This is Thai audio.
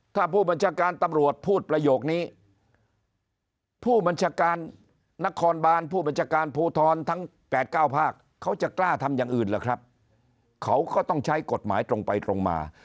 ถ้าผู้บัญชาการตำรวจพูดประโยคนี้ผู้บัญชาการนครบานผู้บัญชาการภูทรทั้ง๘๙ภาคเขาจะกล้าทำอย่างอื่นล่ะครับเขาก็ต้องใช้กฎหมายตรงไปตรงมา